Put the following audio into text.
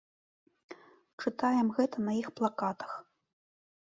Чытаем гэта на іх плакатах!